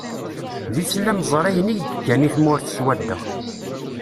D islamẓriyen i yekkan i tmurt swadda.